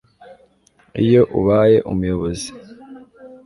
iyo ubaye umuyobozi